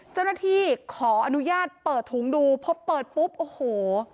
เจ้าหน้าที่ขออนุญาตเปิดถุงดูพอเปิดปุ๊บโอ้โห